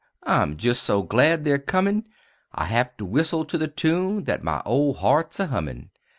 I'm jest so glad they're comin', I have to whistle to the tune That my ol' heart's a hummin'.